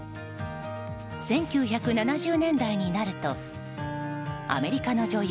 １９７０年代になるとアメリカの女優